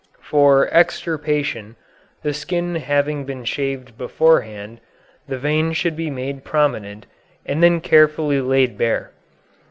For extirpation, the skin having been shaved beforehand, the vein should be made prominent, and then carefully laid bare.